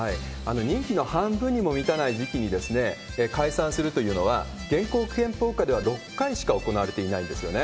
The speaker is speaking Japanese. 任期の半分にも満たない時期に解散するというのは、現行憲法下では６回しか行われていないんですよね。